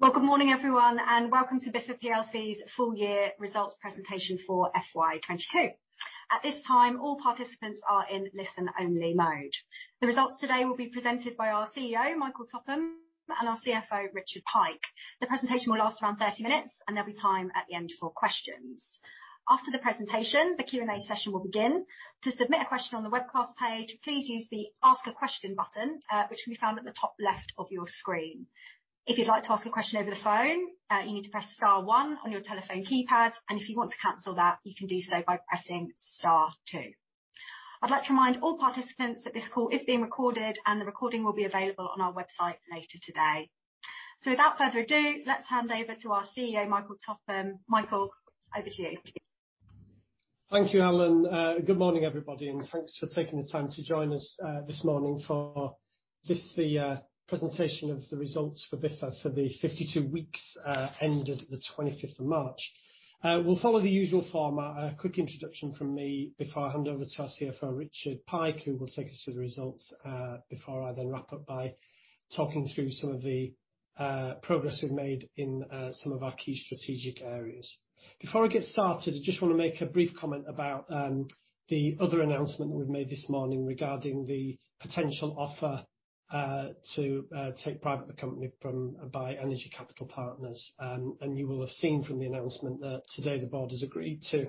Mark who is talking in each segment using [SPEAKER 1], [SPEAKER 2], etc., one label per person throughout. [SPEAKER 1] Well, good morning everyone, and welcome to Biffa plc's full-year results presentation for FY 2022. At this time, all participants are in listen-only mode. The results today will be presented by our CEO, Michael Topham, and our CFO, Richard Pike. The presentation will last around 30 minutes, and there'll be time at the end for questions. After the presentation, the Q&A session will begin. To submit a question on the webcast page, please use the Ask a Question button, which can be found at the top left of your screen. If you'd like to ask a question over the phone, you need to press star one on your telephone keypad, and if you want to cancel that, you can do so by pressing star two. I'd like to remind all participants that this call is being recorded, and the recording will be available on our website later today. Without further ado, let's hand over to our CEO, Michael Topham. Michael, over to you.
[SPEAKER 2] Thank you, Helen. Good morning, everybody, and thanks for taking the time to join us this morning for the presentation of the results for Biffa for the 52 weeks ended the 25th of March. We'll follow the usual format. A quick introduction from me before I hand over to our CFO, Richard Pike, who will take us through the results before I then wrap up by talking through some of the progress we've made in some of our key strategic areas. Before I get started, I just wanna make a brief comment about the other announcement we've made this morning regarding the potential offer to take private the company by Energy Capital Partners. You will have seen from the announcement that today the board has agreed to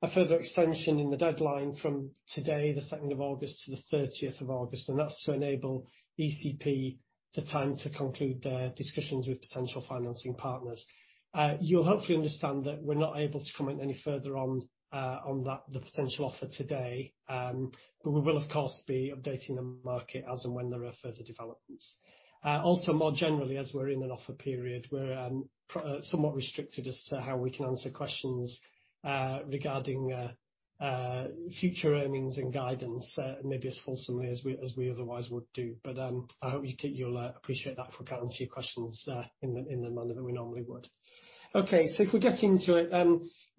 [SPEAKER 2] a further extension in the deadline from today, the 2nd of August, to the 30th of August, and that's to enable ECP the time to conclude their discussions with potential financing partners. You'll hopefully understand that we're not able to comment any further on that, the potential offer today, but we will of course be updating the market as and when there are further developments. Also more generally as we're in an offer period, we're somewhat restricted as to how we can answer questions regarding future earnings and guidance, maybe as fulsomely as we otherwise would do. I hope you'll appreciate that if we can't answer your questions in the manner that we normally would. Okay, if we get into it,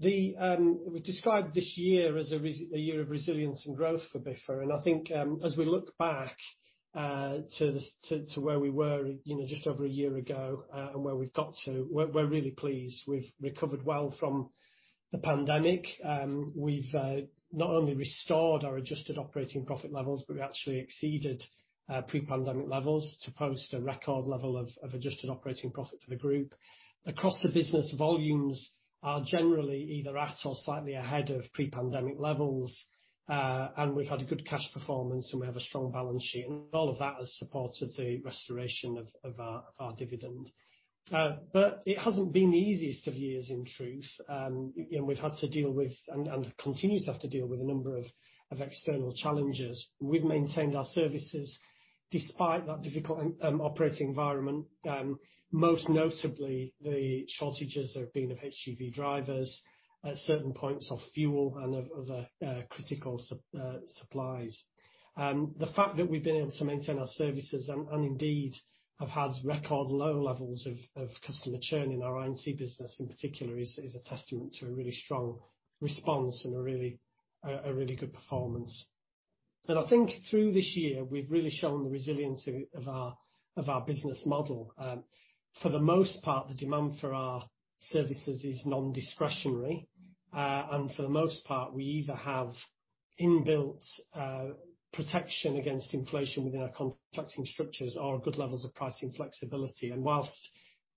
[SPEAKER 2] we've described this year as a year of resilience and growth for Biffa, and I think, as we look back to where we were, you know, just over a year ago, and where we've got to, we're really pleased. We've recovered well from the pandemic. We've not only restored our adjusted operating profit levels, but we actually exceeded pre-pandemic levels to post a record level of adjusted operating profit to the Group. Across the business, volumes are generally either at or slightly ahead of pre-pandemic levels, and we've had a good cash performance, and we have a strong balance sheet. All of that has supported the restoration of our dividend. It hasn't been the easiest of years in truth. You know, we've had to deal with and continue to have to deal with a number of external challenges. We've maintained our services despite that difficult operating environment, most notably the shortages there have been of HGV drivers at certain points of fuel and of other critical supplies. The fact that we've been able to maintain our services and indeed have had record low levels of customer churn in our R&C business in particular is a testament to a really strong response and a really good performance. I think through this year we've really shown the resiliency of our business model. For the most part, the demand for our services is non-discretionary. For the most part, we either have inbuilt protection against inflation within our contracting structures or good levels of pricing flexibility. Whilst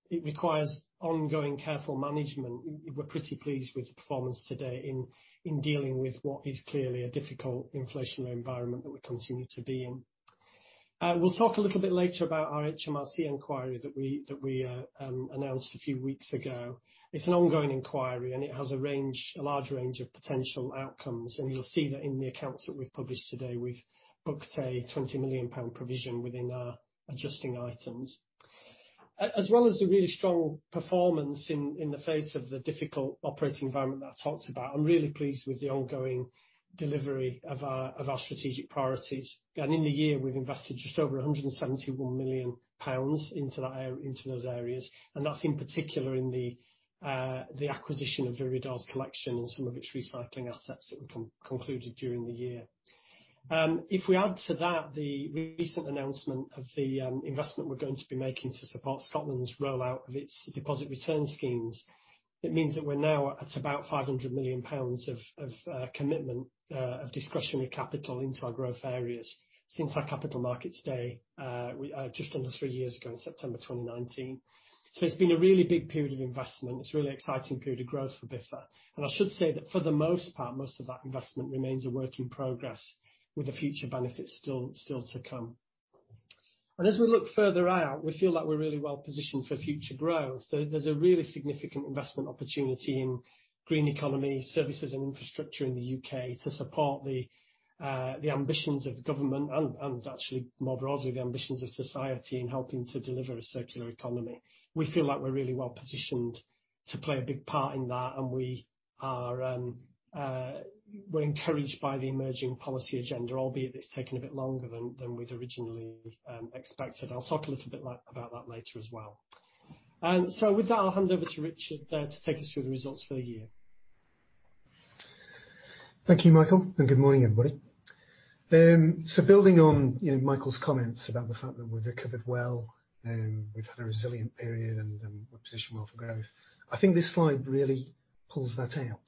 [SPEAKER 2] it requires ongoing careful management, we're pretty pleased with the performance today in dealing with what is clearly a difficult inflationary environment that we continue to be in. We'll talk a little bit later about our HMRC inquiry that we announced a few weeks ago. It's an ongoing inquiry, and it has a large range of potential outcomes. You'll see that in the accounts that we've published today, we've booked a 20 million pound provision within our adjusting items. As well as the really strong performance in the face of the difficult operating environment that I talked about, I'm really pleased with the ongoing delivery of our strategic priorities. In the year, we've invested just over 171 million pounds into those areas, and that's in particular in the acquisition of Viridor's collection and some of its recycling assets that were concluded during the year. If we add to that the recent announcement of the investment we're going to be making to support Scotland's rollout of its deposit return schemes, it means that we're now at about 500 million pounds of commitment of discretionary capital into our growth areas since our capital markets day just under three years ago in September 2019. It's been a really big period of investment. It's a really exciting period of growth for Biffa. I should say that for the most part, most of that investment remains a work in progress with the future benefits still to come. As we look further out, we feel like we're really well positioned for future growth. There's a really significant investment opportunity in green economy services and infrastructure in The U.K. to support the ambitions of the government and actually more broadly, the ambitions of society in helping to deliver a circular economy. We feel like we're really well positioned to play a big part in that, and we're encouraged by the emerging policy agenda, albeit it's taken a bit longer than we'd originally expected. I'll talk a little bit about that later as well. With that, I'll hand over to Richard to take us through the results for the year.
[SPEAKER 3] Thank you, Michael, and good morning, everybody. Building on, you know, Michael's comments about the fact that we've recovered well, and we've had a resilient period, and, we're positioned well for growth, I think this slide really pulls that out.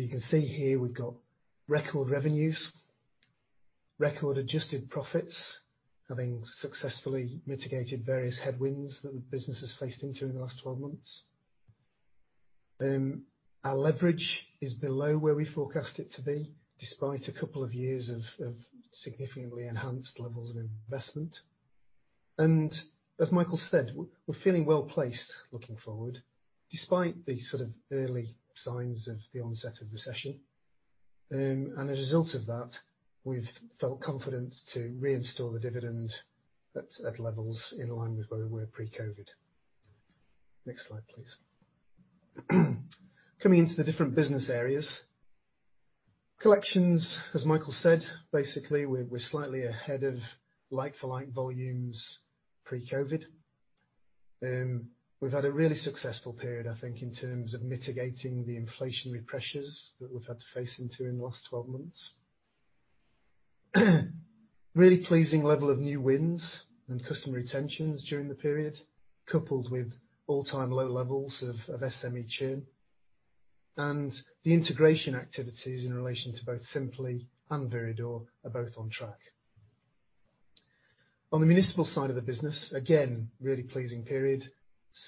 [SPEAKER 3] You can see here we've got record revenues, record adjusted profits, having successfully mitigated various headwinds that the business has faced into in the last 12 months. Our leverage is below where we forecast it to be despite a couple of years of significantly enhanced levels of investment. As Michael said, we're feeling well-placed looking forward, despite the sort of early signs of the onset of recession. A result of that, we've felt confident to reinstall the dividend at levels in line with where we were pre-COVID. Next slide, please. Coming into the different business areas. Collections, as Michael said, basically, we're slightly ahead of like-for-like volumes pre-COVID. We've had a really successful period, I think, in terms of mitigating the inflationary pressures that we've had to face into in the last twelve months. Really pleasing level of new wins and customer retentions during the period, coupled with all-time low levels of SME churn. The integration activities in relation to both Simply and Viridor are both on track. On the municipal side of the business, again, really pleasing period.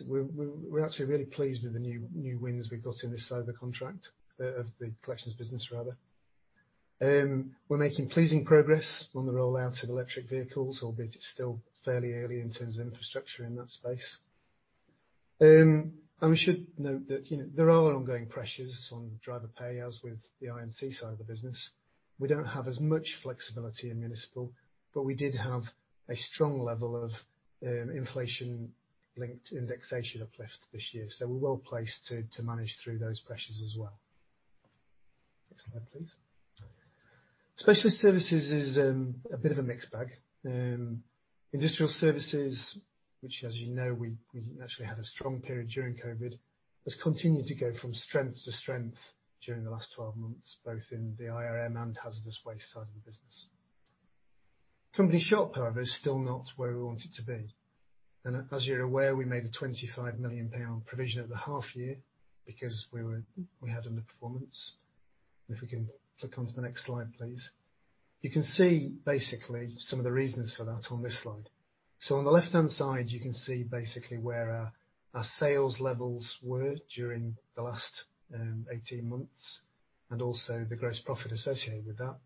[SPEAKER 3] We're actually really pleased with the new wins we've got in this side of the contract of the collections business, rather. We're making pleasing progress on the rollout of electric vehicles, albeit it's still fairly early in terms of infrastructure in that space. We should note that, you know, there are ongoing pressures on driver pay, as with the I&C side of the business. We don't have as much flexibility in municipal, but we did have a strong level of inflation-linked indexation uplift this year, so we're well placed to manage through those pressures as well. Next slide, please. Specialist services is a bit of a mixed bag. Industrial services, which, as you know, we actually had a strong period during COVID, has continued to go from strength to strength during the last 12 months, both in the IRM and hazardous waste side of the business. Company Shop, however, is still not where we want it to be. As you're aware, we made a 25 million pound provision at the half year because we had underperformance. If we can flick onto the next slide, please. You can see basically some of the reasons for that on this slide. On the left-hand side, you can see basically where our sales levels were during the last 18 months, and also the gross profit associated with that.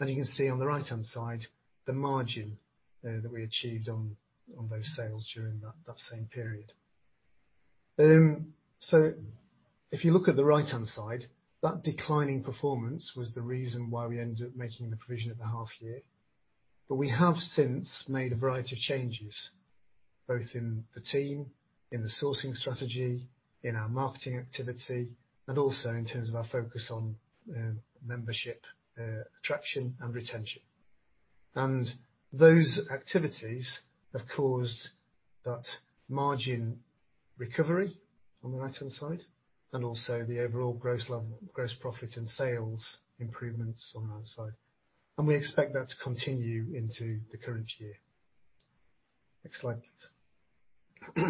[SPEAKER 3] You can see on the right-hand side, the margin that we achieved on those sales during that same period. If you look at the right-hand side, that declining performance was the reason why we ended up making the provision at the half year. We have since made a variety of changes, both in the team, in the sourcing strategy, in our marketing activity, and also in terms of our focus on membership attraction and retention. Those activities have caused that margin recovery on the right-hand side, and also the overall gross profit and sales improvements on the right side. We expect that to continue into the current year. Next slide, please.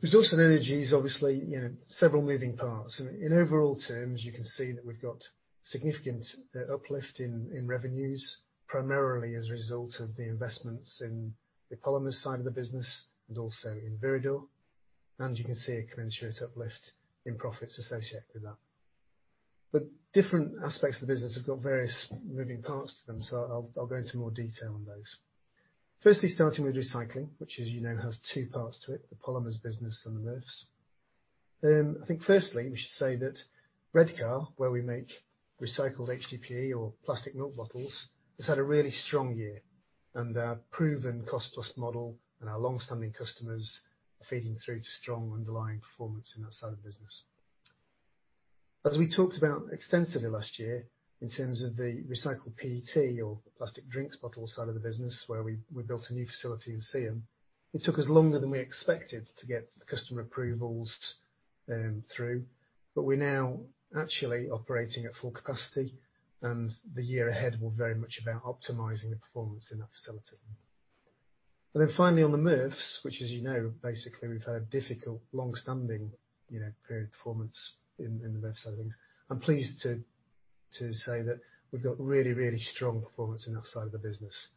[SPEAKER 3] Resources and energy is obviously, you know, several moving parts, and in overall terms, you can see that we've got significant uplift in revenues, primarily as a result of the investments in the polymers side of the business and also in Viridor. You can see a commensurate uplift in profits associated with that. Different aspects of the business have got various moving parts to them, so I'll go into more detail on those. Firstly, starting with recycling, which, as you know, has two parts to it, the polymers business and the MRFs. I think firstly, we should say that Redcar, where we make recycled HDPE or plastic milk bottles, has had a really strong year. Our proven cost-plus model and our long-standing customers are feeding through to strong underlying performance in that side of the business. As we talked about extensively last year, in terms of the recycled PET or plastic drinks bottle side of the business where we built a new facility in Seaham, it took us longer than we expected to get the customer approvals through, but we're now actually operating at full capacity and the year ahead will very much be about optimizing the performance in that facility. Finally on the MRFs, which as you know, basically we've had a difficult long-standing you know, period of performance in the MRF side of things. I'm pleased to say that we've got really strong performance in that side of the business.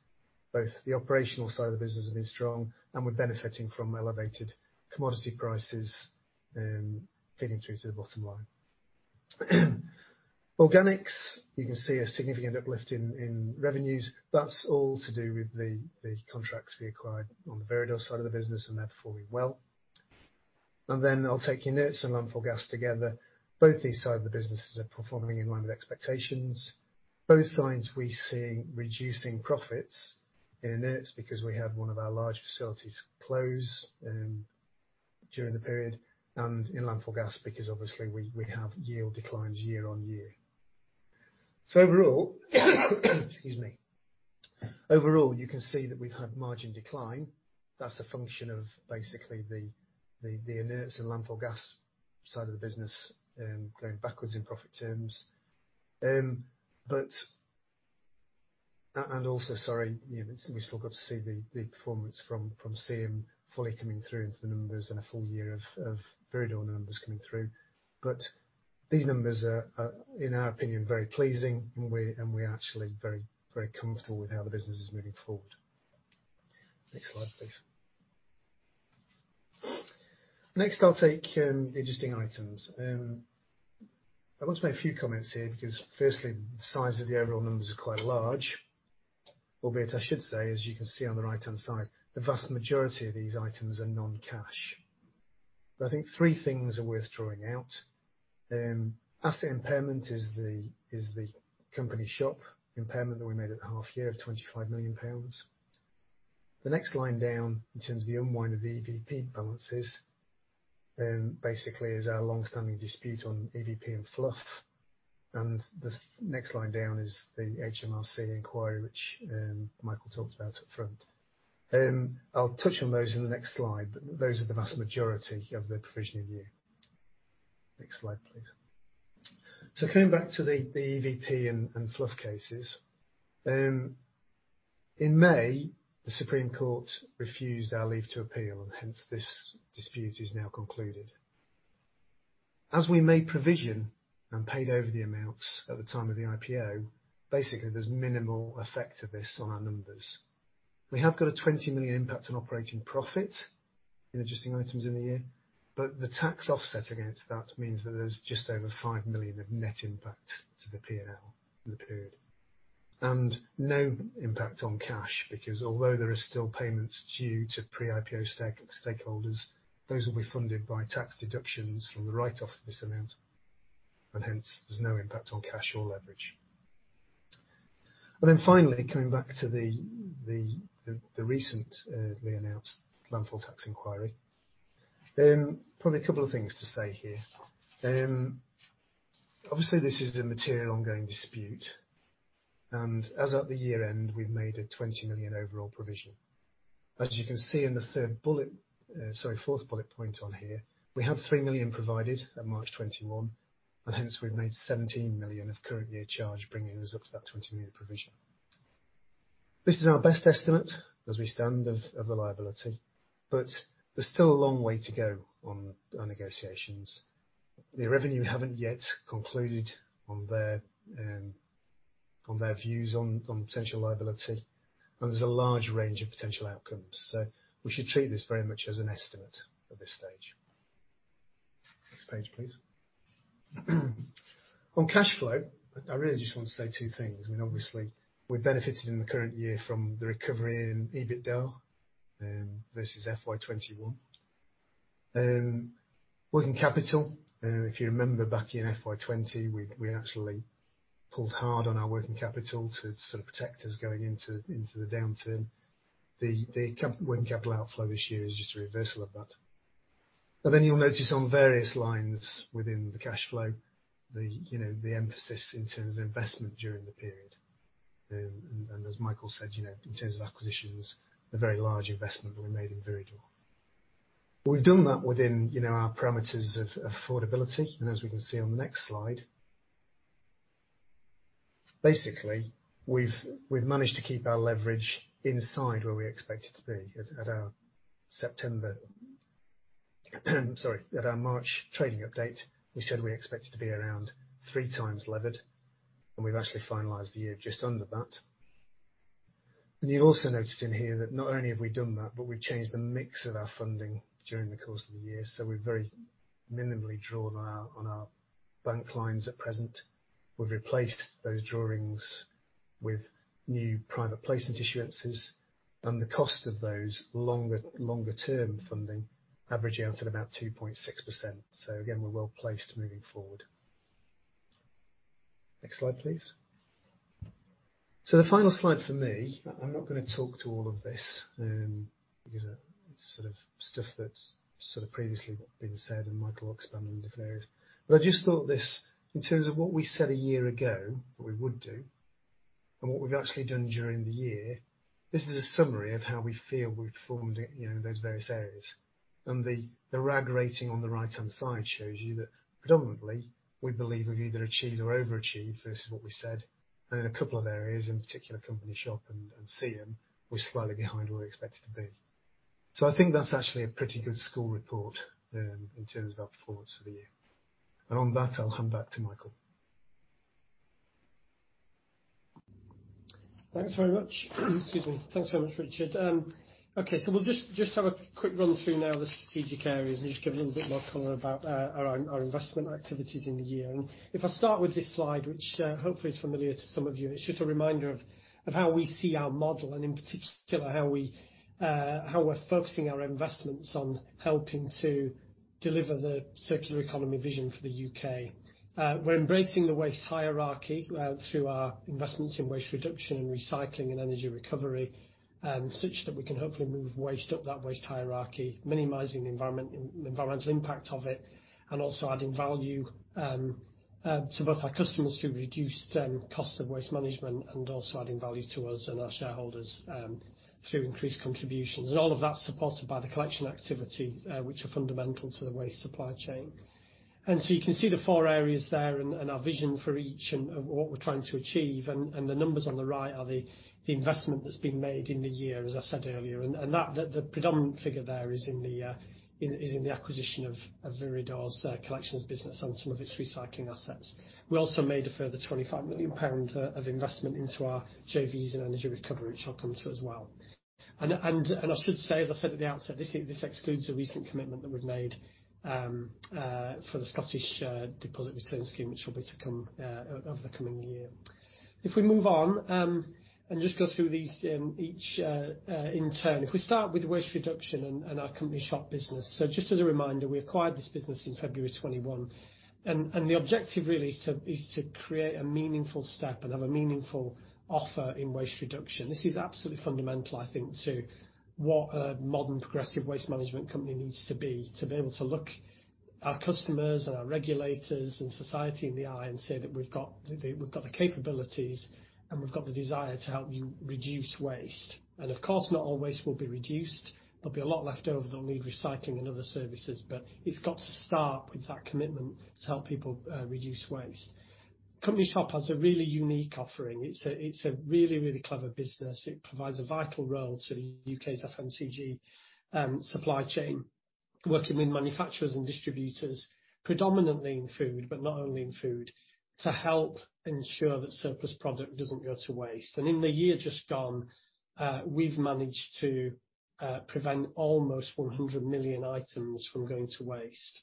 [SPEAKER 3] Both the operational side of the business have been strong and we're benefiting from elevated commodity prices, feeding through to the bottom line. Organics, you can see a significant uplift in revenues. That's all to do with the contracts we acquired on the Viridor side of the business, and they're performing well. Then I'll take inerts and landfill gas together. Both these side of the businesses are performing in line with expectations. Both sides we're seeing reducing profits. Inerts because we had one of our large facilities close, during the period, and in landfill gas because obviously we have yield declines year on year. Overall, you can see that we've had margin decline. That's a function of basically the inerts and landfill gas side of the business going backwards in profit terms. Also sorry, you know, we've still got to see the performance from CM fully coming through into the numbers and a full-year of Viridor numbers coming through. These numbers are in our opinion very pleasing, and we're actually very comfortable with how the business is moving forward. Next slide, please. Next, I'll take adjusting items. I want to make a few comments here because firstly, the size of the overall numbers are quite large. Albeit I should say, as you can see on the right-hand side, the vast majority of these items are non-cash. I think three things are worth drawing out. Asset impairment is the Company Shop impairment that we made at the half year of 25 million pounds. The next line down in terms of the unwind of the EVP balances, basically is our long-standing dispute on EVP and FLFF. The next line down is the HMRC inquiry, which, Michael talked about up front. I'll touch on those in the next slide, but those are the vast majority of the provision in here. Next slide, please. Coming back to the EVP and FLFF cases. In May, the Supreme Court refused our leave to appeal, and hence this dispute is now concluded. As we made provision and paid over the amounts at the time of the IPO, basically, there's minimal effect of this on our numbers. We have got a 20 million impact on operating profit in adjusting items in the year, but the tax offset against that means that there's just over 5 million of net impact to the P&L in the period. No impact on cash, because although there are still payments due to pre-IPO stakeholders, those will be funded by tax deductions from the write-off of this amount, and hence there's no impact on cash or leverage. Then finally, coming back to the recent announced landfill tax inquiry. Probably a couple of things to say here. Obviously this is a material ongoing dispute. As at the year-end, we've made a 20 million overall provision. As you can see in the third bullet, sorry, fourth bullet point on here, we have 3 million provided at March 2021, and hence we've made 17 million of current year charge, bringing us up to that 20 million provision. This is our best estimate as we stand of the liability, but there's still a long way to go on our negotiations. HMRC haven't yet concluded on their views on potential liability, and there's a large range of potential outcomes. We should treat this very much as an estimate at this stage. Next page, please. On cash flow, I really just want to say two things. I mean, obviously, we benefited in the current year from the recovery in EBITDA versus FY21. Working capital, if you remember back in FY 2020, we actually pulled hard on our working capital to sort of protect us going into the downturn. The working capital outflow this year is just a reversal of that. You'll notice on various lines within the cash flow, you know, the emphasis in terms of investment during the period. As Michael said, you know, in terms of acquisitions, the very large investment that we made in Viridor. We've done that within, you know, our parameters of affordability. As we can see on the next slide, basically, we've managed to keep our leverage inside where we expect it to be. At our March trading update, we said we expected to be around three times levered, and we've actually finalized the year just under that. You'll also notice in here that not only have we done that, but we've changed the mix of our funding during the course of the year. We've very minimally drawn on our bank lines at present. We've replaced those drawings with new private placement issuances and the cost of those longer-term funding averaging out at about 2.6%. We're well-placed moving forward. Next slide, please. The final slide for me, I'm not gonna talk to all of this, because it's sort of stuff that's sort of previously been said and Michael expanded on different areas. I just thought this, in terms of what we said a year ago that we would do and what we've actually done during the year, this is a summary of how we feel we've performed in, you know, those various areas. The RAG rating on the right-hand side shows you that predominantly, we believe we've either achieved or overachieved versus what we said. In a couple of areas, in particular Company Shop and CM, we're slightly behind where we expected to be. I think that's actually a pretty good score report in terms of our performance for the year. On that, I'll hand back to Michael.
[SPEAKER 2] Thanks very much. Excuse me. Thanks very much, Richard. Okay, so we'll just have a quick run through now the strategic areas and just give a little bit more color about our investment activities in the year. If I start with this slide, which hopefully is familiar to some of you. It's just a reminder of how we see our model and in particular, how we're focusing our investments on helping to deliver the circular economy vision for The U.K.. We're embracing the waste hierarchy through our investments in waste reduction and recycling and energy recovery, such that we can hopefully move waste up that waste hierarchy, minimizing the environmental impact of it, and also adding value to both our customers to reduce their cost of waste management and also adding value to us and our shareholders through increased contributions. All of that's supported by the collection activity, which are fundamental to the waste supply chain. You can see the four areas there and our vision for each and what we're trying to achieve. The numbers on the right are the investment that's been made in the year, as I said earlier, and that. The predominant figure there is in the acquisition of Viridor's collections business and some of its recycling assets. We also made a further 25 million pound of investment into our JVs and energy recovery, which I'll come to as well. I should say, as I said at the outset, this excludes a recent commitment that we've made for the Scottish Deposit Return Scheme, which will be to come over the coming year. If we move on and just go through these each in turn. If we start with waste reduction and our Company Shop business. Just as a reminder, we acquired this business in February 2021, and the objective really is to create a meaningful step and have a meaningful offer in waste reduction. This is absolutely fundamental, I think, to what a modern progressive waste management company needs to be. To be able to look our customers and our regulators and society in the eye and say that we've got the capabilities and we've got the desire to help you reduce waste. Of course, not all waste will be reduced. There'll be a lot left over that'll need recycling and other services, but it's got to start with that commitment to help people reduce waste. Company Shop has a really unique offering. It's a really, really clever business. It provides a vital role to The U.K.'s FMCG supply chain, working with manufacturers and distributors, predominantly in food, but not only in food, to help ensure that surplus product doesn't go to waste. In the year just gone, we've managed to prevent almost 100 million items from going to waste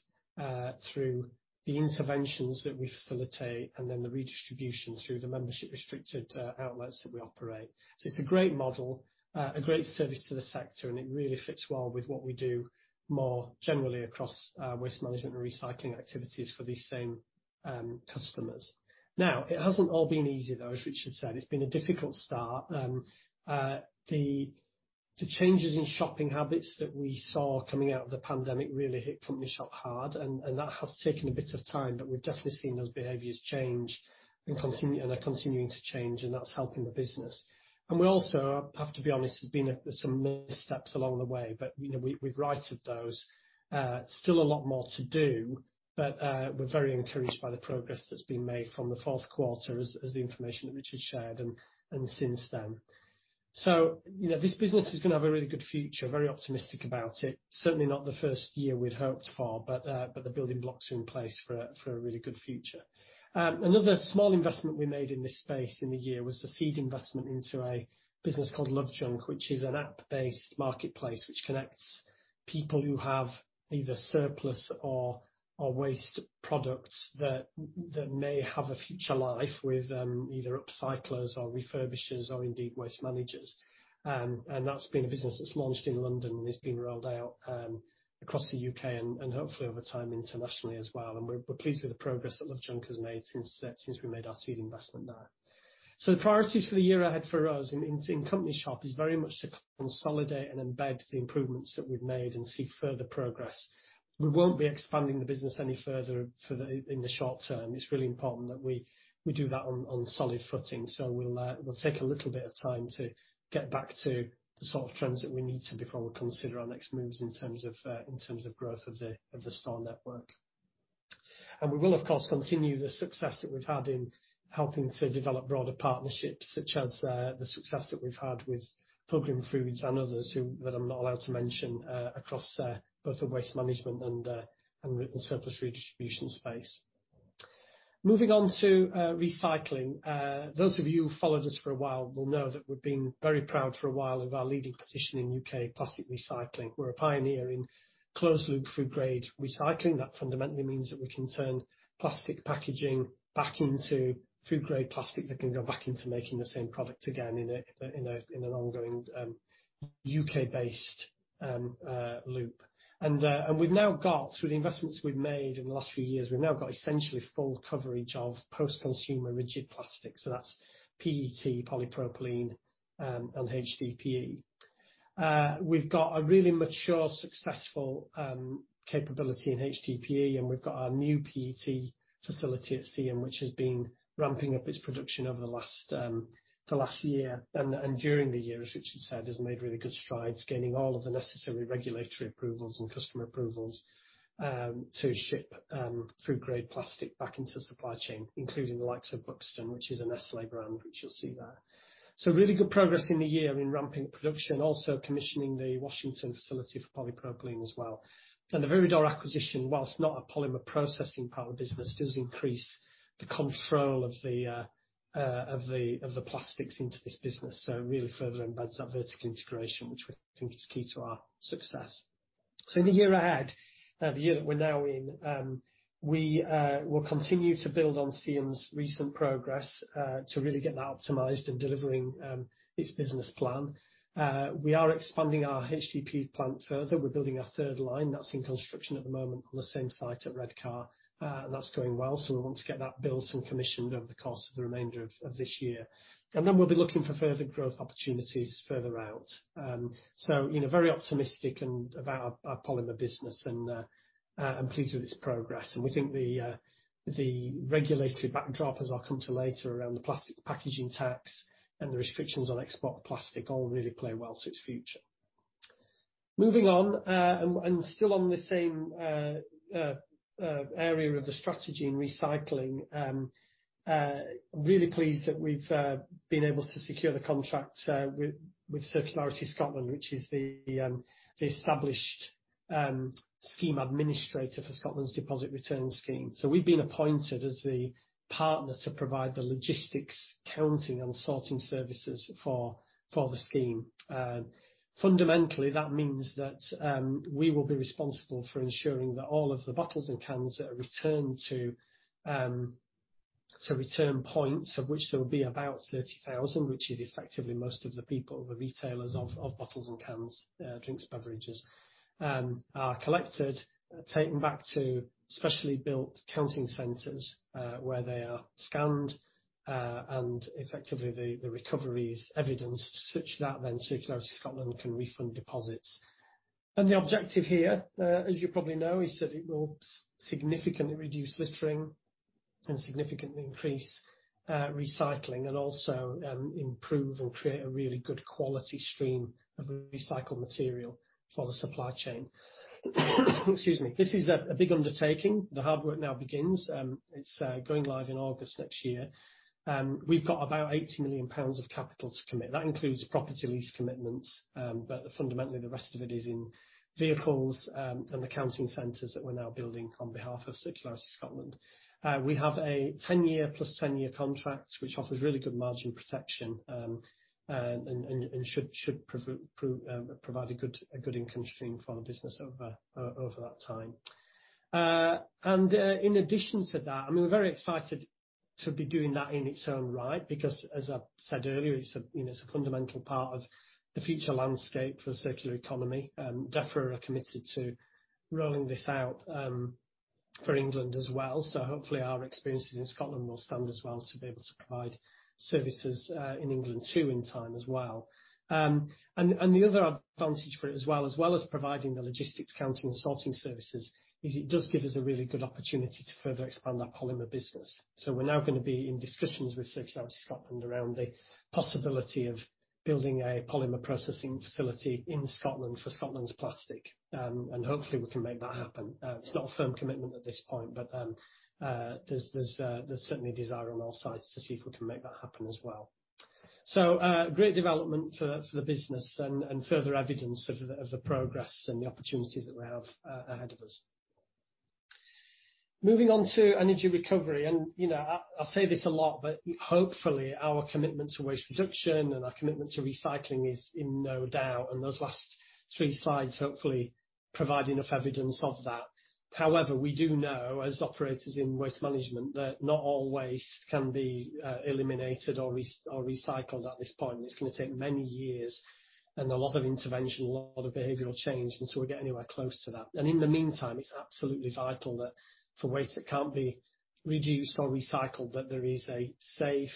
[SPEAKER 2] through the interventions that we facilitate and then the redistribution through the membership restricted outlets that we operate. It's a great model, a great service to the sector, and it really fits well with what we do more generally across waste management and recycling activities for these same customers. Now, it hasn't all been easy, though, as Richard said. It's been a difficult start. The changes in shopping habits that we saw coming out of the pandemic really hit Company Shop hard and that has taken a bit of time, but we've definitely seen those behaviors change and continue to change, and that's helping the business. We also, I have to be honest, there's been some missteps along the way, but, you know, we've righted those. Still a lot more to do, but, we're very encouraged by the progress that's been made from the fourth quarter as the information that Richard shared and since then. You know, this business is gonna have a really good future. Very optimistic about it. Certainly not the first year we'd hoped for, but, the building blocks are in place for a really good future. Another small investment we made in this space in the year was the seed investment into a business called LoveJunk, which is an app-based marketplace which connects people who have either surplus or waste products that may have a future life with either upcyclers or refurbishers or indeed waste managers. That's been a business that's launched in London and it's been rolled out across The U.K. and hopefully over time, internationally as well. We're pleased with the progress that LoveJunk has made since we made our seed investment there. The priorities for the year ahead for us in Company Shop is very much to consolidate and embed the improvements that we've made and see further progress. We won't be expanding the business any further in the short term. It's really important that we do that on solid footing. We'll take a little bit of time to get back to the sort of trends that we need to before we consider our next moves in terms of growth of the store network. We will, of course, continue the success that we've had in helping to develop broader partnerships, such as the success that we've had with Pilgrim's Food Masters and others that I'm not allowed to mention across both the waste management and surplus redistribution space. Moving on to recycling. Those of you who followed us for a while will know that we've been very proud for a while of our leading position in UK plastic recycling. We're a pioneer in closed loop food grade recycling. That fundamentally means that we can turn plastic packaging back into food grade plastic that can go back into making the same product again in an ongoing UK-based loop. We've now got, through the investments we've made in the last few years, essentially full coverage of post-consumer rigid plastic. That's PET, polypropylene, and HDPE. We've got a really mature, successful capability in HDPE, and we've got our new PET facility at Seaham, which has been ramping up its production over the last year. During the year, as Richard said, has made really good strides gaining all of the necessary regulatory approvals and customer approvals to ship food grade plastic back into the supply chain, including the likes of Buxton, which is a Nestlé brand, which you'll see there. Really good progress in the year in ramping up production, also commissioning the Washington facility for polypropylene as well. The Viridor acquisition, while not a polymer processing power business, does increase the control of the plastics into this business, so really further embeds that vertical integration, which we think is key to our success. In the year ahead, the year that we're now in, we will continue to build on CM's recent progress to really get that optimized and delivering its business plan. We are expanding our HDPE plant further. We're building a third line that's in construction at the moment on the same site at Redcar, and that's going well. We want to get that built and commissioned over the course of the remainder of this year. Then we'll be looking for further growth opportunities further out. We're very optimistic about our polymer business and pleased with its progress. We think the regulated backdrop, as I'll come to later around the plastic packaging tax and the restrictions on export plastic, all really play well to its future. Moving on, and still on the same area of the strategy and recycling, really pleased that we've been able to secure the contract with Circularity Scotland, which is the established scheme administrator for Scotland's Deposit Return Scheme. We've been appointed as the partner to provide the logistics, counting, and sorting services for the scheme. Fundamentally, that means that we will be responsible for ensuring that all of the bottles and cans that are returned to return points, of which there will be about 30,000, which is effectively most of the retailers of bottles and cans, drinks, beverages, are collected, taken back to specially built counting centers, where they are scanned, and effectively, the recovery is evidenced such that then Circularity Scotland can refund deposits. The objective here, as you probably know, is that it will significantly reduce littering and significantly increase recycling and also improve and create a really good quality stream of recycled material for the supply chain. Excuse me. This is a big undertaking. The hard work now begins. It's going live in August next year. We've got about 80 million pounds of capital to commit. That includes property lease commitments, but fundamentally, the rest of it is in vehicles, and the counting centers that we're now building on behalf of Circularity Scotland. We have a 10-year plus 10-year contract, which offers really good margin protection, and should provide a good income stream for the business over that time. In addition to that, I mean, we're very excited to be doing that in its own right because as I've said earlier, it's a, you know, it's a fundamental part of the future landscape for circular economy. DEFRA are committed to rolling this out for England as well. Hopefully, our experiences in Scotland will stand as well to be able to provide services, in England too in time as well. And the other advantage for it as well as providing the logistics counting and sorting services is it does give us a really good opportunity to further expand our polymer business. We're now gonna be in discussions with Circularity Scotland around the possibility of building a polymer processing facility in Scotland for Scotland's plastic. And hopefully we can make that happen. It's not a firm commitment at this point, but there's certainly a desire on all sides to see if we can make that happen as well. Great development for the business and further evidence of the progress and the opportunities that we have ahead of us. Moving on to energy recovery, you know, I say this a lot, but hopefully our commitment to waste reduction and our commitment to recycling is in no doubt. Those last three slides hopefully provide enough evidence of that. However, we do know as operators in waste management that not all waste can be eliminated or recycled at this point. It's gonna take many years and a lot of intervention, a lot of behavioral change until we get anywhere close to that. In the meantime, it's absolutely vital that for waste that can't be reduced or recycled, that there is a safe,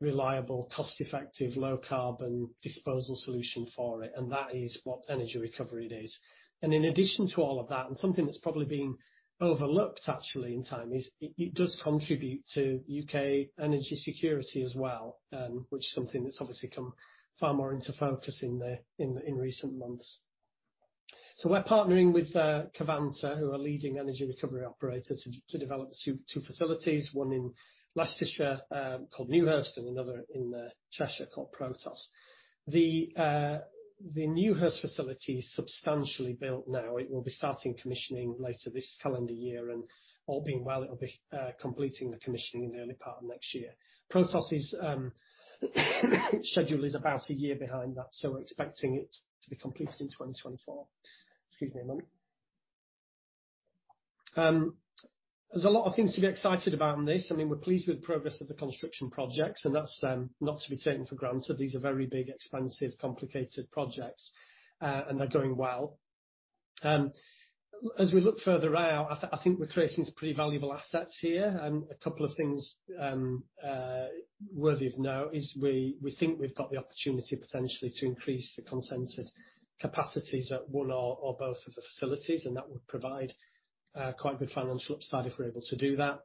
[SPEAKER 2] reliable, cost-effective, low-carbon disposal solution for it, and that is what energy recovery is. In addition to all of that, something that's probably been overlooked actually in time is, it does contribute to UK energy security as well, which is something that's obviously come far more into focus in recent months. We're partnering with Covanta, who are a leading energy recovery operator to develop two facilities, one in Lancashire called Newhurst and another in Cheshire called Protos. The Newhurst facility is substantially built now. It will be starting commissioning later this calendar year. All being well, it'll be completing the commissioning in the early part of next year. Protos's schedule is about a year behind that, we're expecting it to be completed in 2024. Excuse me a moment. There's a lot of things to be excited about on this. I mean, we're pleased with the progress of the construction projects, and that's not to be taken for granted. These are very big, expensive, complicated projects, and they're going well. As we look further out, I think we're creating some pretty valuable assets here. A couple of things worthy of note is we think we've got the opportunity potentially to increase the consented capacities at one or both of the facilities, and that would provide quite good financial upside if we're able to do that.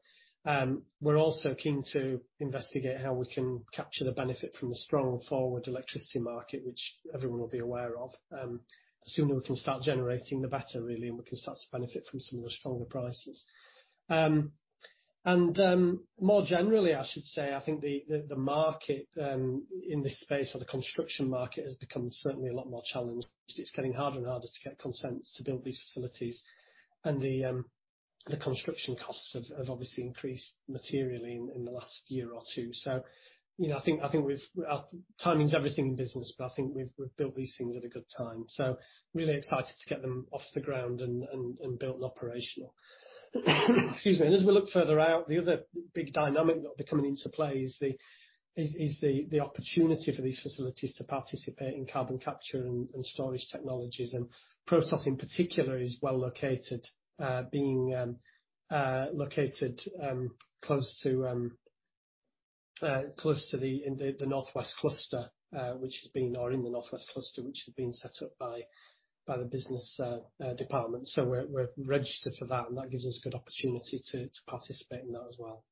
[SPEAKER 2] We're also keen to investigate how we can capture the benefit from the strong forward electricity market, which everyone will be aware of. The sooner we can start generating, the better really, and we can start to benefit from some of the stronger prices. More generally, I should say, I think the market in this space or the construction market has become certainly a lot more challenged. It's getting harder and harder to get consents to build these facilities. The construction costs have obviously increased materially in the last year or two. You know, timing is everything in business, but I think we've built these things at a good time. Really excited to get them off the ground and built and operational. Excuse me. As we look further out, the other big dynamic that will be coming into play is the opportunity for these facilities to participate in carbon capture and storage technologies. Protos in particular is well located, being located close to the Northwest cluster, which has been set up by the business department. We're registered for that, and that gives us a good opportunity to participate in that as well.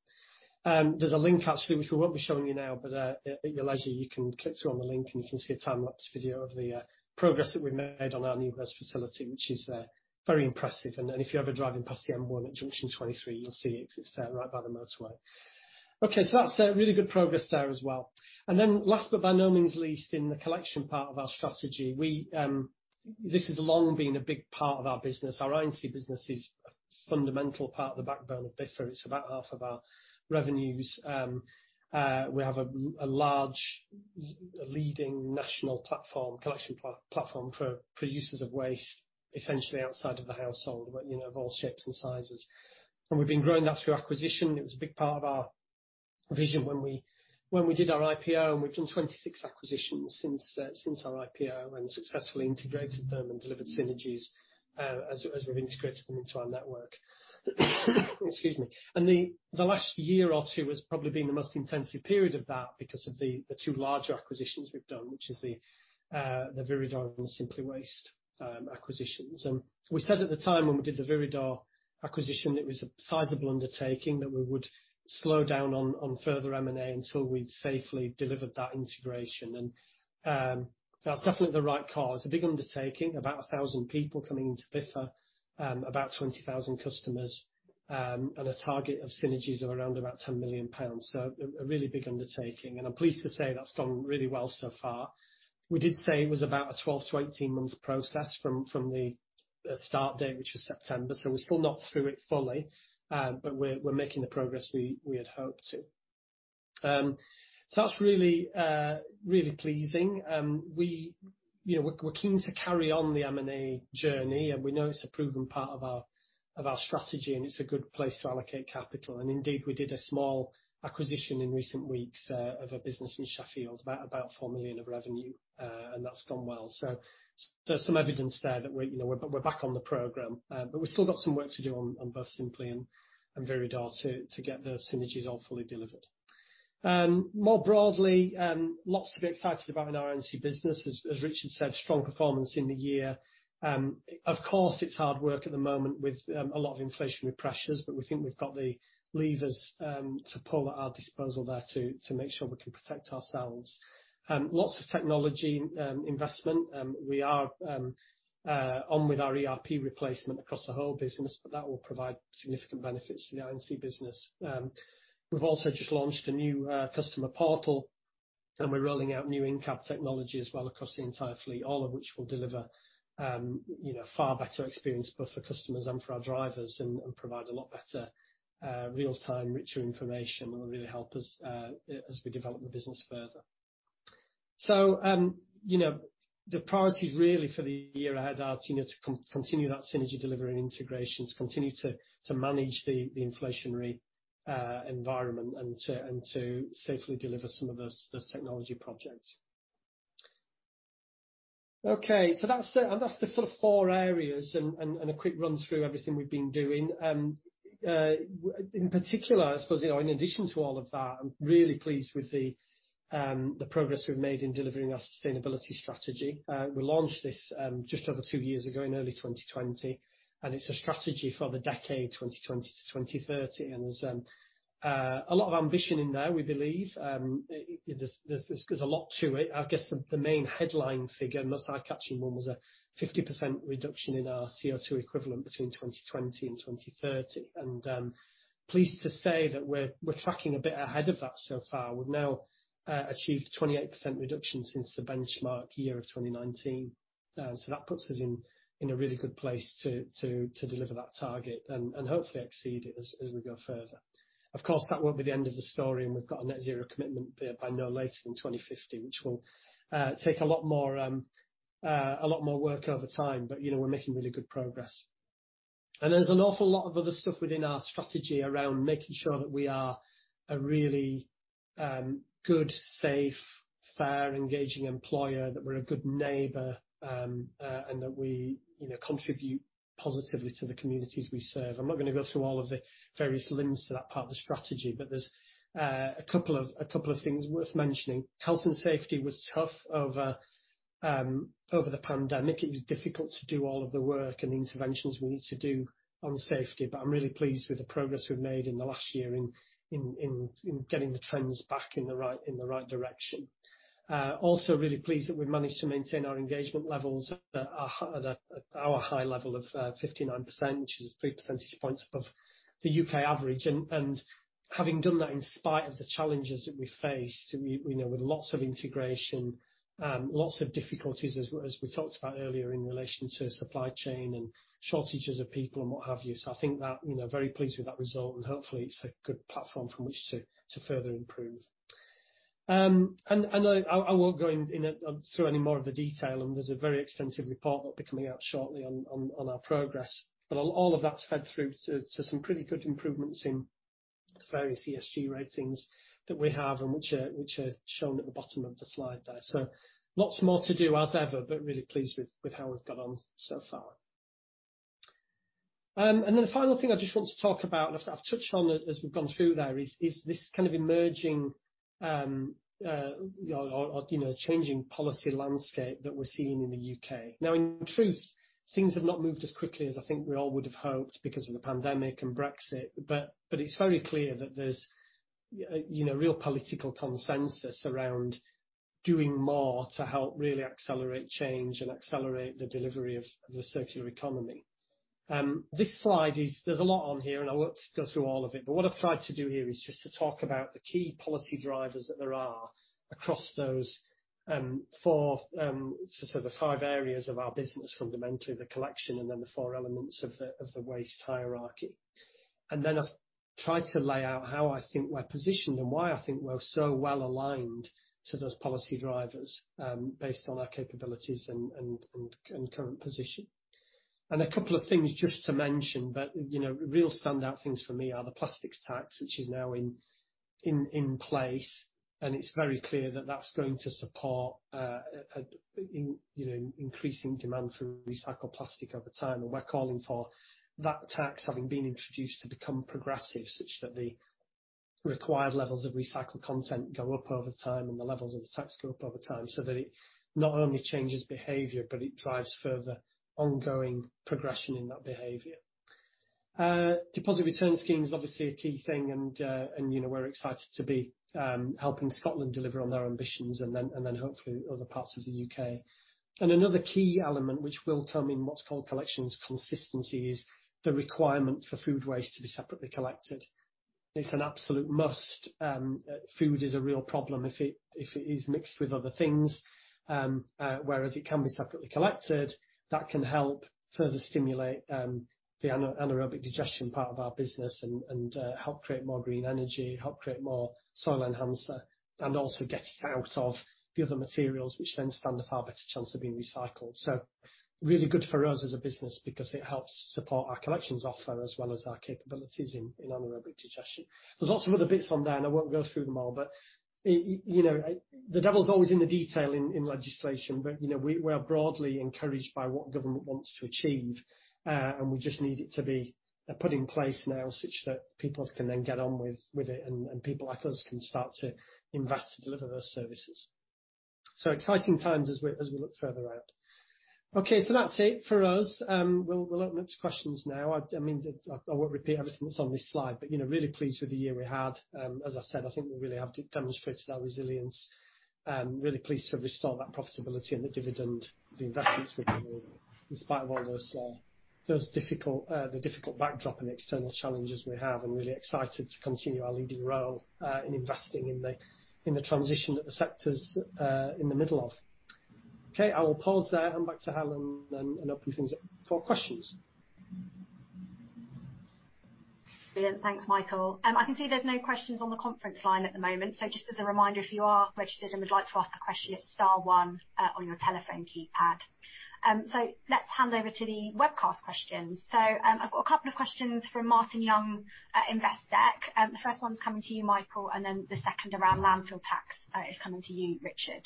[SPEAKER 2] There's a link actually which we won't be showing you now, but at your leisure, you can click through on the link, and you can see a time-lapse video of the progress that we've made on our new waste facility, which is very impressive. If you're ever driving past the M1 at junction 23, you'll see it 'cause it's right by the motorway. That's really good progress there as well. Last but by no means least in the collection part of our strategy, we, this has long been a big part of our business. Our R&C business is a fundamental part of the backbone of Biffa. It's about half of our revenues. We have a large leading national platform, collection platform for producers of waste, essentially outside of the household, but, you know, of all shapes and sizes. We've been growing that through acquisition. It was a big part of our vision when we did our IPO, and we've done 26 acquisitions since our IPO and successfully integrated them and delivered synergies, as we've integrated them into our network. Excuse me. The last year or two has probably been the most intensive period of that because of the two larger acquisitions we've done, which is the Viridor and Simply Waste acquisitions. We said at the time when we did the Viridor acquisition, it was a sizable undertaking that we would slow down on further M&A until we'd safely delivered that integration. That was definitely the right call. It's a big undertaking, about 1,000 people coming into Biffa, about 20,000 customers, and a target of synergies of around about 10 million pounds. A really big undertaking, and I'm pleased to say that's gone really well so far. We did say it was about a 12 months-18 months process from the start date, which was September. We're still not through it fully, but we're making the progress we had hoped to. That's really pleasing. You know, we're keen to carry on the M&A journey, and we know it's a proven part of our strategy, and it's a good place to allocate capital. Indeed, we did a small acquisition in recent weeks of a business in Sheffield, about 4 million of revenue, and that's gone well. There's some evidence there that you know, we're back on the program. We've still got some work to do on both Simply and Viridor to get those synergies all fully delivered. More broadly, lots to be excited about in our R&C business. As Richard said, strong performance in the year. Of course, it's hard work at the moment with a lot of inflationary pressures, but we think we've got the levers to pull at our disposal there to make sure we can protect ourselves. Lots of technology investment. We are on with our ERP replacement across the whole business, but that will provide significant benefits to the R&C business. We've also just launched a new customer portal, and we're rolling out new in-cab technology as well across the entire fleet, all of which will deliver you know, far better experience both for customers and for our drivers and provide a lot better real-time, richer information that will really help us as we develop the business further. You know, the priorities really for the year ahead are to continue that synergy delivery and integration, to continue to manage the inflationary environment and to safely deliver some of those technology projects. Okay, that's the four areas and a quick run through everything we've been doing. In particular, I suppose, you know, in addition to all of that, I'm really pleased with the progress we've made in delivering our sustainability strategy. We launched this just over two years ago in early 2020, and it's a strategy for the decade 2020-2030. There's a lot of ambition in there, we believe. There's a lot to it. I guess the main headline figure, the most eye-catching one was a 50% reduction in our CO2 equivalent between 2020 and 2030. Pleased to say that we're tracking a bit ahead of that so far. We've now achieved a 28% reduction since the benchmark year of 2019. So that puts us in a really good place to deliver that target and hopefully exceed it as we go further. Of course, that won't be the end of the story, and we've got a net zero commitment by no later than 2050, which will take a lot more work over time. You know, we're making really good progress. There's an awful lot of other stuff within our strategy around making sure that we are a really good, safe, fair, engaging employer, that we're a good neighbor, and that we, you know, contribute positively to the communities we serve. I'm not gonna go through all of the various limbs to that part of the strategy, but there's a couple of things worth mentioning. Health and safety was tough over the pandemic. It was difficult to do all of the work and the interventions we need to do on safety, but I'm really pleased with the progress we've made in the last year in getting the trends back in the right direction. Also really pleased that we managed to maintain our engagement levels at our high level of 59%, which is a big percentage points above The U.K. average. Having done that in spite of the challenges that we faced, we know with lots of integration, lots of difficulties as we talked about earlier in relation to supply chain and shortages of people and what have you. I think that, you know, very pleased with that result, and hopefully it's a good platform from which to further improve. I won't go through any more of the detail, and there's a very extensive report that will be coming out shortly on our progress. All of that's fed through to some pretty good improvements in various ESG ratings that we have and which are shown at the bottom of the slide there. Lots more to do as ever, but really pleased with how we've got on so far. Then the final thing I just want to talk about, and I've touched on it as we've gone through there, is this kind of emerging, you know, or you know, changing policy landscape that we're seeing in The U.K. Now, in truth, things have not moved as quickly as I think we all would have hoped because of the pandemic and Brexit. It's very clear that there's you know, real political consensus around doing more to help really accelerate change and accelerate the delivery of the circular economy. This slide is. There's a lot on here, and I won't go through all of it, but what I've tried to do here is just to talk about the key policy drivers that there are across those four, the five areas of our business, fundamentally, the collection and then the four elements of the waste hierarchy. I've tried to lay out how I think we're positioned and why I think we're so well-aligned to those policy drivers, based on our capabilities and current position. A couple of things just to mention, you know, real standout things for me are the plastics tax, which is now in place, and it's very clear that that's going to support in, you know, increasing demand for recycled plastic over time. We're calling for that tax having been introduced to become progressive, such that the required levels of recycled content go up over time and the levels of the tax go up over time, so that it not only changes behavior, but it drives further ongoing progression in that behavior. Deposit return scheme is obviously a key thing, and you know, we're excited to be helping Scotland deliver on their ambitions and then hopefully other parts of The U.K.. Another key element which will come in what's called collections consistency is the requirement for food waste to be separately collected. It's an absolute must. Food is a real problem if it is mixed with other things, whereas it can be separately collected. That can help further stimulate the anaerobic digestion part of our business and help create more green energy, help create more soil enhancer, and also get it out of the other materials, which then stand a far better chance of being recycled. So really good for us as a business because it helps support our collections offer as well as our capabilities in anaerobic digestion. There's lots of other bits on there, and I won't go through them all, but you know, the devil is always in the detail in legislation, but you know, we are broadly encouraged by what government wants to achieve, and we just need it to be put in place now such that people can then get on with it, and people like us can start to invest to deliver those services. Exciting times as we look further out. Okay, that's it for us. We'll open up to questions now. I mean, I won't repeat everything that's on this slide, but you know, really pleased with the year we had. As I said, I think we really have demonstrated our resilience. Really pleased to have restored that profitability and the dividend, the investments we've been doing in spite of all the difficult backdrop and external challenges we have. I'm really excited to continue our leading role in investing in the transition that the sector's in the middle of. Okay. I will pause there. Hand back to Helen and open things up for questions.
[SPEAKER 1] Brilliant. Thanks, Michael. I can see there's no questions on the conference line at the moment. Just as a reminder, if you are registered and would like to ask a question, it's star one on your telephone keypad. Let's hand over to the webcast questions. I've got a couple of questions from Martin Young at Investec. The first one's coming to you, Michael, and then the second around landfill tax is coming to you, Richard.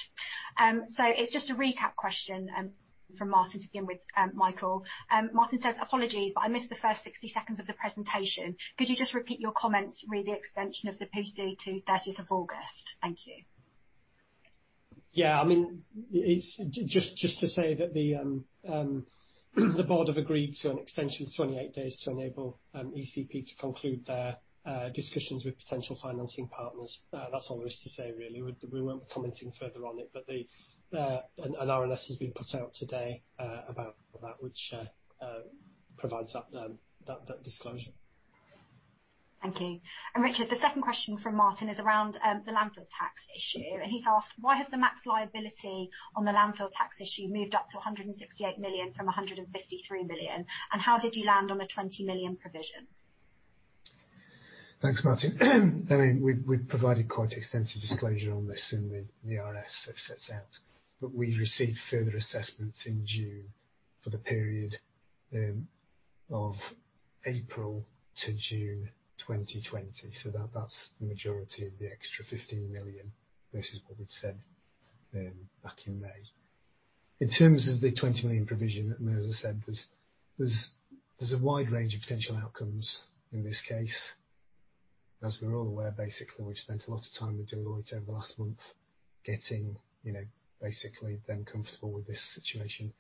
[SPEAKER 1] It's just a recap question from Martin to begin with, Michael. Martin says, "Apologies, but I missed the first 60 seconds of the presentation. Could you just repeat your comments re the extension of the PC to 30th of August? Thank you.
[SPEAKER 2] Yeah, I mean, it's just to say that the board have agreed to an extension of 28 days to enable ECP to conclude their discussions with potential financing partners. That's all there is to say, really. We weren't commenting further on it. An RNS has been put out today about that, which provides that disclosure.
[SPEAKER 1] Thank you. Richard, the second question from Martin is around the landfill tax issue. He's asked: Why has the max liability on the landfill tax issue moved up to 168 million from 153 million? How did you land on the 20 million provision?
[SPEAKER 3] Thanks, Martin. I mean, we've provided quite extensive disclosure on this in the RNS. It sets out. We received further assessments in June for the period of April to June 2020. That's the majority of the extra 15 million versus what we'd said back in May. In terms of the 20 million provision, as I said, there's a wide range of potential outcomes in this case. As we're all aware, basically, we spent a lot of time with Deloitte over the last month getting, you know, basically them comfortable with this situation.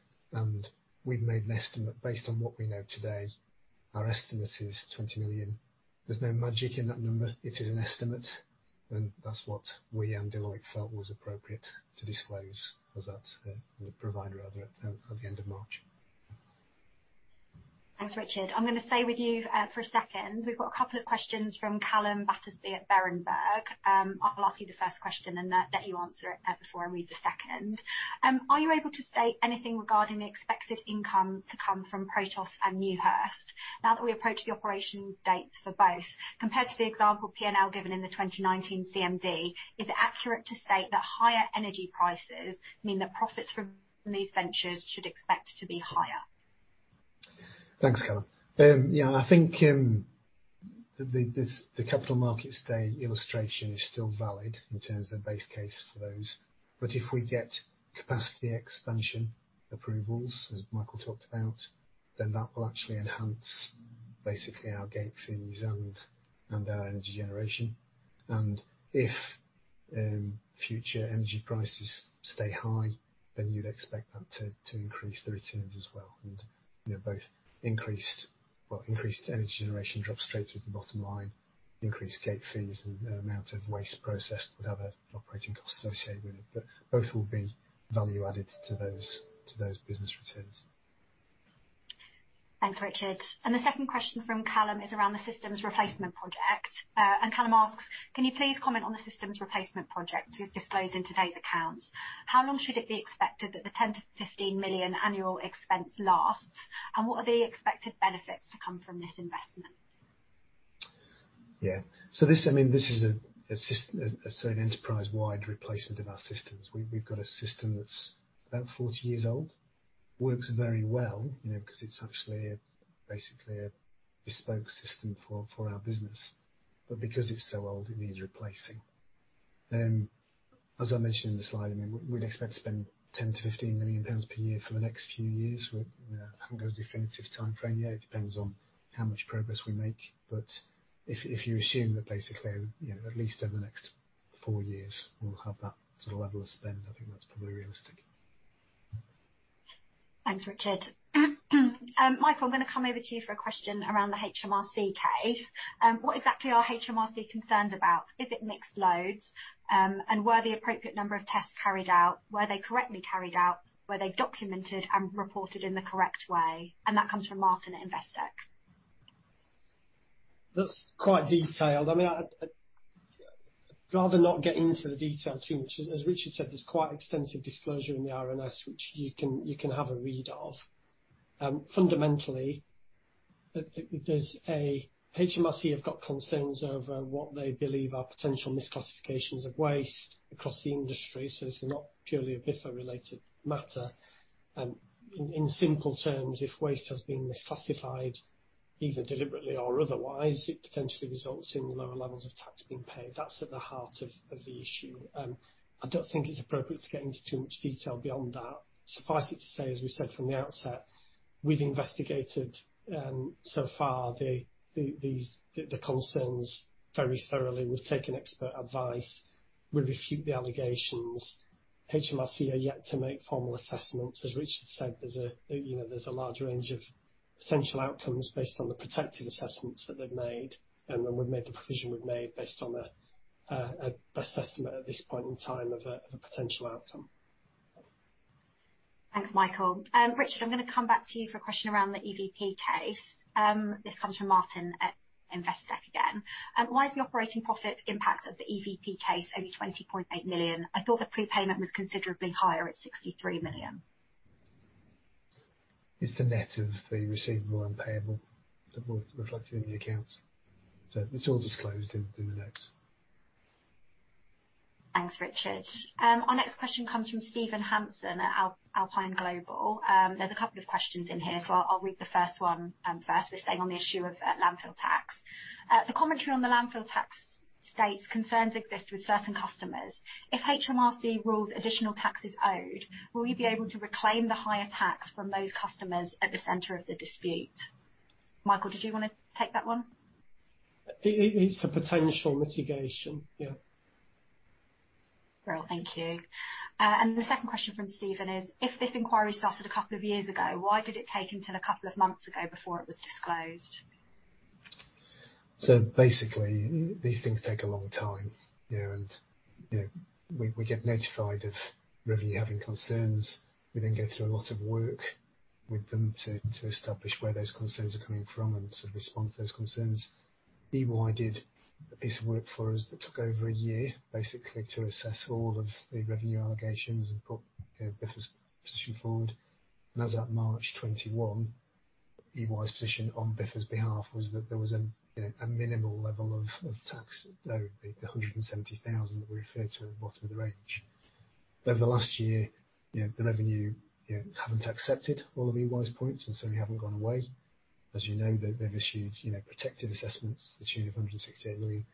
[SPEAKER 3] We've made an estimate. Based on what we know today, our estimate is 20 million. There's no magic in that number. It is an estimate, and that's what we and Deloitte felt was appropriate to disclose as at the end of March.
[SPEAKER 1] Thanks, Richard. I'm gonna stay with you for a second. We've got a couple of questions from Calum Battersby at Berenberg. I'll ask you the first question, and then let you answer it before I read the second. Are you able to state anything regarding the expected income to come from Protos and Newhurst now that we approach the operation dates for both? Compared to the example P&L given in the 2019 CMD, is it accurate to state that higher energy prices mean the profits from these ventures should expect to be higher?
[SPEAKER 3] Thanks, Callum. I think the capital markets day illustration is still valid in terms of base case for those. If we get capacity expansion approvals, as Michael talked about, then that will actually enhance basically our gate fees and our energy generation. If future energy prices stay high, then you'd expect that to increase the returns as well. You know, both, well, increased energy generation drops straight through to the bottom line, increased gate fees and the amount of waste processed would have an operating cost associated with it. Both will be value added to those business returns.
[SPEAKER 1] Thanks, Richard. The second question from Calum is around the systems replacement project. Calum asks, "Can you please comment on the systems replacement project you've disclosed in today's accounts? How long should it be expected that the 10 million-15 million annual expense lasts? And what are the expected benefits to come from this investment?
[SPEAKER 3] Yeah. This, I mean, this is a certain enterprise-wide replacement of our systems. We've got a system that's about 40 years old. Works very well, you know, 'cause it's actually basically a bespoke system for our business. But because it's so old, it needs replacing. As I mentioned in the slide, I mean, we'd expect to spend 10 million-15 million pounds per year for the next few years. We haven't got a definitive timeframe yet. It depends on how much progress we make. But if you assume that basically, you know, at least over the next four years we'll have that sort of level of spend, I think that's probably realistic.
[SPEAKER 1] Thanks, Richard. Michael, I'm gonna come over to you for a question around the HMRC case. What exactly are HMRC concerned about? Is it mixed loads? Were the appropriate number of tests carried out? Were they correctly carried out? Were they documented and reported in the correct way? That comes from Martin at Investec.
[SPEAKER 2] That's quite detailed. I mean, I'd rather not get into the detail too much. As Richard said, there's quite extensive disclosure in the RNS, which you can have a read of. Fundamentally, HMRC have got concerns over what they believe are potential misclassifications of waste across the industry, so it's not purely a Biffa-related matter. In simple terms, if waste has been misclassified, either deliberately or otherwise, it potentially results in lower levels of tax being paid. That's at the heart of the issue. I don't think it's appropriate to get into too much detail beyond that. Suffice it to say, as we said from the outset, we've investigated so far the concerns very thoroughly. We've taken expert advice. We refute the allegations. HMRC are yet to make formal assessments. As Richard said, there's a, you know, there's a large range of potential outcomes based on the protective assessments that they've made, and we've made the provision we've made based on a best estimate at this point in time of a potential outcome.
[SPEAKER 1] Thanks, Michael. Richard, I'm gonna come back to you for a question around the EVP case. This comes from Martin at Investec again. Why has the operating profit impact of the EVP case only 20.8 million? I thought the prepayment was considerably higher at 63 million.
[SPEAKER 3] It's the net of the receivable and payable that we've reflected in the accounts. It's all disclosed in the notes.
[SPEAKER 1] Thanks, Richard. Our next question comes from Steven Hanson at Alpine Global. There's a couple of questions in here, so I'll read the first one first. They're staying on the issue of landfill tax. The commentary on the landfill tax states concerns exist with certain customers. If HMRC rules additional tax is owed, will you be able to reclaim the higher tax from those customers at the center of the dispute? Michael, did you wanna take that one?
[SPEAKER 2] It's a potential mitigation. Yeah.
[SPEAKER 1] Brill, thank you. The second question from Steven is: If this inquiry started a couple of years ago, why did it take until a couple of months ago before it was disclosed?
[SPEAKER 3] Basically, these things take a long time. You know, and, you know, we get notified of Revenue having concerns. We then go through a lot of work with them to establish where those concerns are coming from and to respond to those concerns. EY did a piece of work for us that took over a year, basically to assess all of the Revenue allegations and put, you know, Biffa's position forward. As at March 2021, EY's position on Biffa's behalf was that there was a, you know, a minimal level of tax, you know, the 170,000 that we referred to at the bottom of the range. Over the last year, you know, the Revenue, you know, haven't accepted all of EY's points and so we haven't gone away. As you know, they've issued, you know, protective assessments to the tune of 168 million.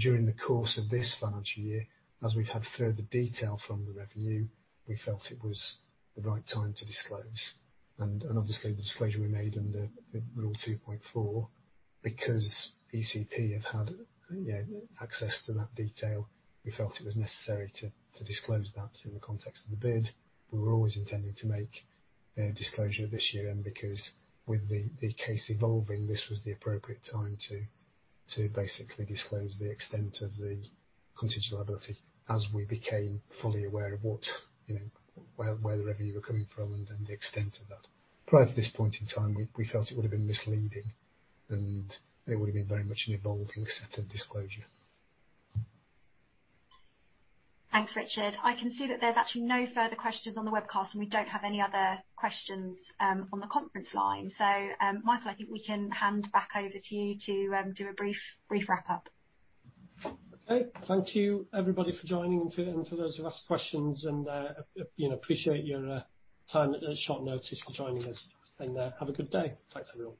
[SPEAKER 3] During the course of this financial year, as we've had further detail from the Revenue, we felt it was the right time to disclose. Obviously, the disclosure we made under Rule 2.4, because ECP have had, you know, access to that detail, we felt it was necessary to disclose that in the context of the bid. We were always intending to make a disclosure this year. Because with the case evolving, this was the appropriate time to basically disclose the extent of the contingent liability as we became fully aware of what, you know, where the Revenue were coming from and then the extent of that. Prior to this point in time, we felt it would've been misleading, and it would've been very much an evolving set of disclosure.
[SPEAKER 1] Thanks, Richard. I can see that there's actually no further questions on the webcast, and we don't have any other questions on the conference line. Michael, I think we can hand back over to you to do a brief wrap-up.
[SPEAKER 2] Okay. Thank you everybody for joining and for those who asked questions and, you know, appreciate your time at short notice for joining us. Have a good day. Thanks, everyone.